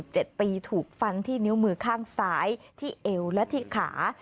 เจ็ดปีถูกฟันที่นิ้วมือข้างซ้ายที่เอวและที่ขา